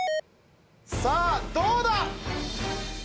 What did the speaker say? さあどうだ？